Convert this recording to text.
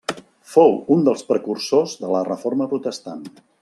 Fou un dels precursors de la Reforma protestant.